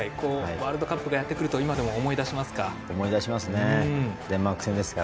ワールドカップがやってくると今でも思い出しますか？